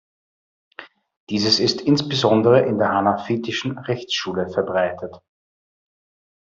Dieses ist insbesondere in der hanafitischen Rechtsschule verbreitet.